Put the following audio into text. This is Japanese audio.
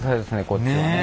こっちは。